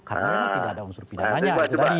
karena tidak ada unsur pidana nya